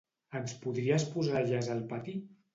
Ens podries posar jazz al pati?